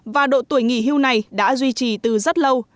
và độ tuổi nghỉ hưu này đã duy trì từ rất lâu